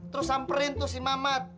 terus samperin tuh si mamat